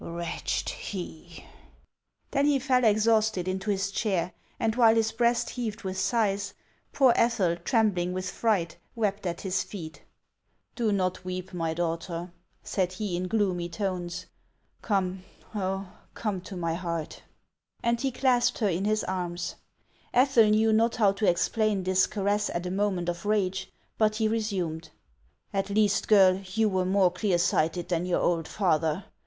Wretched he!" Then he fell exhausted into his chair, and while his breast heaved with sighs, poor Ethel, trembling with fright, wept at his feet. " Do not weep, my daughter," said he, in gloomy tones ;" come, oh, come to my heart !" And he clasped her in his arms. Ethel knew not how to explain this caress at a moment of rage, but he resumed :" At least, girl, you were more clear sighted than your old father.